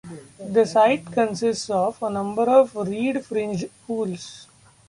The site consists of a number of reed-fringed pools.